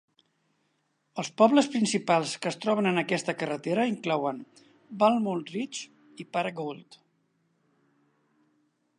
Els pobles principals que es troben en aquesta carretera inclouen Walnut Ridge i Paragould.